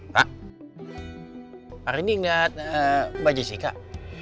pak hari ini gak baju sih kak